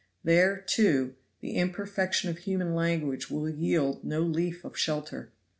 There, too, the imperfection of human language will yield no leaf of shelter.